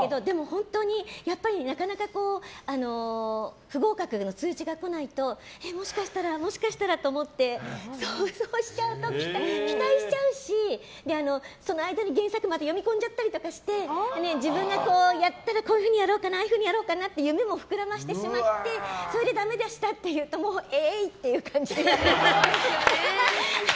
本当になかなか不合格の通知が来ないともしかしたらもしかしたらと思ってそうしちゃうと期待しちゃうし間に原作読み込んだりしちゃって自分がやったらこういうふうにやろうかなああいうふうにやろうかなって夢も膨らませてしまってそれでダメでしたっていうとえい！っていう感じで。